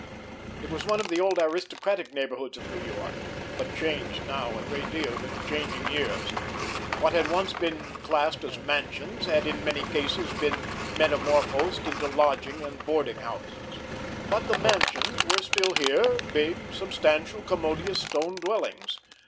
It was one of the old aristocratic neighborhoods of New York, but changed now a great deal with the changing years. What had once been classed as mansions had in many cases been metamorphosed into lodging and boarding houses; but the "mansions" were still here, big, substantial, commodious stone dwellings.